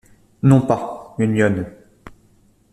Non pas, une lionne!